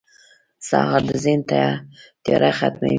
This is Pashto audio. سهار د ذهن تیاره ختموي.